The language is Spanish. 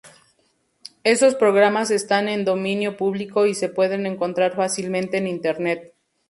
Esos programas están en dominio público y se pueden encontrar fácilmente en Internet.